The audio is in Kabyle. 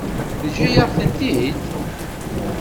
Teǧǧa-yaɣ-tent-id?